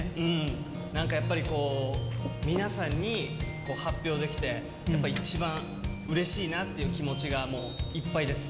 なんかやっぱり、皆さんに発表できて、やっぱ一番うれしいなっていう気持ちがもういっぱいです。